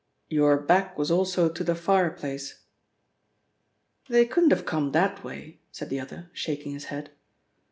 "Your back was also to the fireplace?" "They couldn't have come that way," said the other, shaking his head.